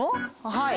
はい。